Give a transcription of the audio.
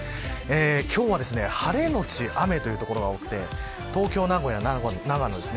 今日は晴れのち雨という所が多くて東京、名古屋、長野です。